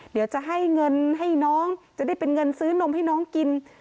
เดี๋ยวจะให้เงินให้น้องจะได้เป็นเงินซื้อนมให้น้องกิน